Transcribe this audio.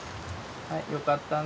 はいよかったね。